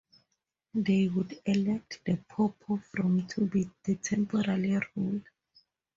They would elect the Pope of Rome to be the temporal ruler.